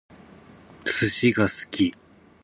寿司が好き